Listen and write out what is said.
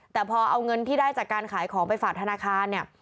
แต่พอเอาเงินที่ได้จากการขายของไปฝากธนาคารเนี่ย